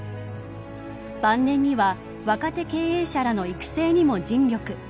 晩年には若手経営者らの育成にも尽力。